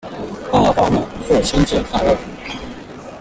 爸爸們父親節快樂！